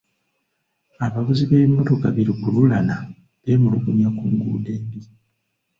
Abavuzi b'ebimotoka bilukululana beemulugunya ku nguudo embi.